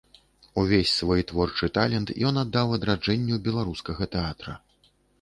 Увесь свой творчы талент ён аддаў адраджэнню беларускага тэатра.